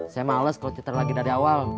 saya males kalau kita lagi dari awal